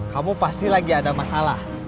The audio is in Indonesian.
kamu pasti lagi ada masalah